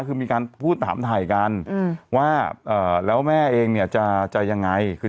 คือมีการพูดถามถ่ายกันว่าแล้วแม่เองเนี่ยจะยังไง